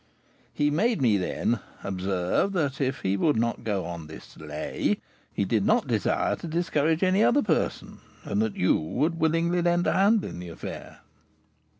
"He made me, then, observe, that if he would not go on this 'lay,' he did not desire to discourage any other person, and that you would willingly lend a hand in the affair."